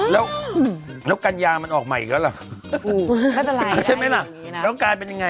แล้วกัญญามันออกใหม่แล้วละใช่ไหมละแล้วการเป็นยังไง